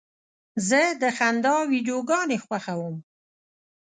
زه د خندا ویډیوګانې خوښوم.